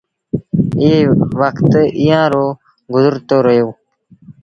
ائيٚݩ وکت ايٚئآݩ رو گزرتو رهيو